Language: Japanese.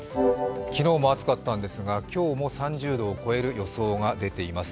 昨日も暑かったんですが今日も３０度を超える予想が出ています。